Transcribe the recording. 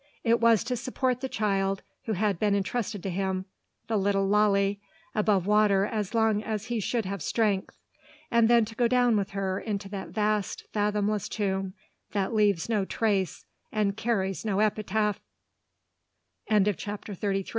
It was to support the child who had been intrusted to him the Lilly Lalee above water as long as he should have strength; and then to go down along with her into that vast, fathomless tomb, that leaves no trace and carries no epitaph! CHAPTER THIRTY FOUR.